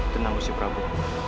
tenang busy prabu